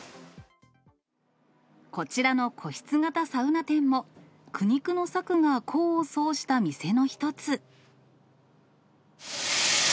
こちらの個室型サウナ店も、苦肉の策が功を奏した店の一つ。